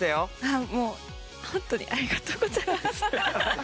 ああもうホントにありがとうございます！